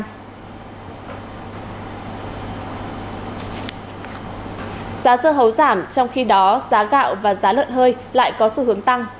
giá dưa hấu giảm trong khi đó giá gạo và giá lợn hơi lại có xu hướng tăng